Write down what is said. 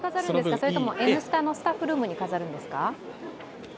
それとも「Ｎスタ」のスタッフルームに飾るんですか？